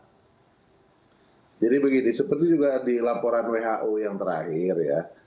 jadi begini seperti juga di laporan who yang terakhir ya